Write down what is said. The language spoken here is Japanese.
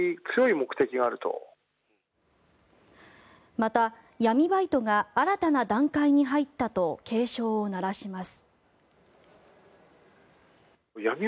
また、闇バイトが新たな段階に入ったと警鐘を鳴らします。